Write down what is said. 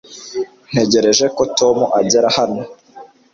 ntegereje ko tom agera hano